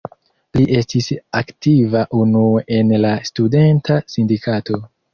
Li estis aktiva unue en la studenta sindikato.